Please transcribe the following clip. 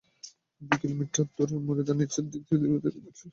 দুই কিলোমিটার দূরে মেরিনা বিচের দিকে ধীরগতিতে এগিয়ে চলে মরদেহবাহী সেনা শকট।